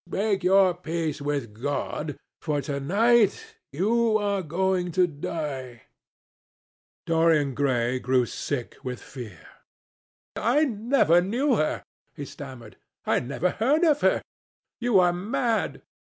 Make your peace with God, for to night you are going to die." Dorian Gray grew sick with fear. "I never knew her," he stammered. "I never heard of her. You are mad."